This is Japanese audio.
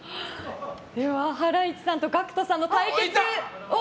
では、ハライチさんとＧＡＣＫＴさんの対決。